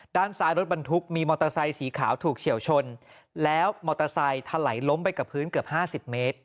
ด้านซ้ายรถบรรทุกมีมอเตอร์ไซสีขาวถูกเฉียวชนแล้วมอเตอร์ไซค์ถลายล้มไปกับพื้นเกือบห้าสิบเมตร